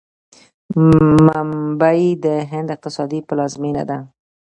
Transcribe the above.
ممبۍ د هند اقتصادي پلازمینه ده.